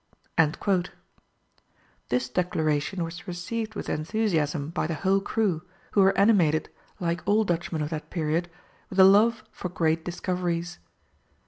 This declaration was received with enthusiasm by the whole crew, who were animated, like all Dutchmen of that period, with a love for great discoveries.